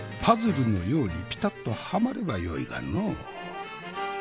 パズルのようにピタッとハマればよいがのう。